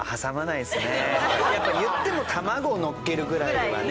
やっぱ言っても卵をのっけるぐらいはね